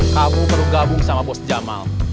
kamu perlu gabung sama bos jamal